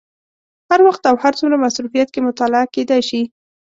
هر وخت او هر څومره مصروفیت کې مطالعه کېدای شي.